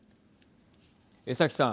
江崎さん。